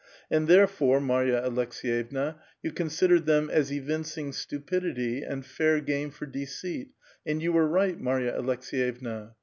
And therefore, Marva Aleksevevna, vou considered them as evinc iug stupidity and fair game for deceit, and you were right, Marya Aleks^'yevna.